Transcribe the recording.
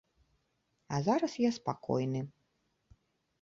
А зараз я спакойны.